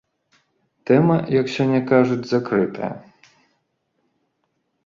Тэма, як сёння кажуць, закрытая.